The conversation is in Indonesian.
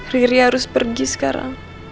riri harus pergi sekarang